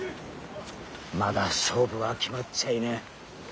まだ勝負は決まっちゃいねえ。